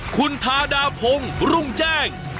คุณทาดาพงศ์รุ่งแจ้ง